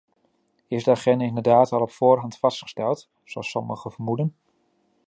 Is de agenda inderdaad al op voorhand vastgesteld, zoals sommigen vermoeden?